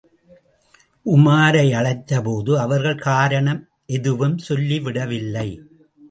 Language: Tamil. உமாரை அழைத்தபோது அவர்கள் காரணம் எதுவும் சொல்லிவிடவில்லை.